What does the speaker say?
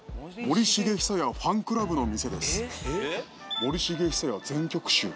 「森繁久彌全曲集」。